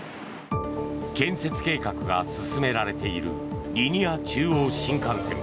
建設計画が進められているリニア中央新幹線。